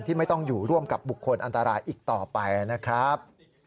ไม่ต้องอยู่ร่วมกับบุคคลอันตรายอีกต่อไปนะครับ